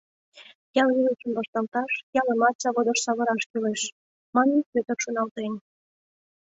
Ял илышым вашталташ, ялымат заводыш савыраш кӱлеш, — манын, Пӧтыр шоналтен.